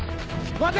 待て！